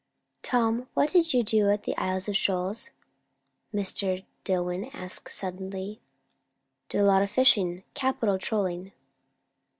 "Tom, what did you do at the Isles of Shoals?" Mr. Dillwyn asked suddenly. "Did a lot of fishing. Capital trolling."